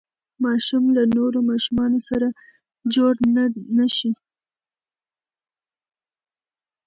ماشوم له نورو ماشومانو سره جوړ نه شي.